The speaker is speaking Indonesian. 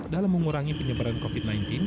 dalam mengurangi penyebaran covid sembilan belas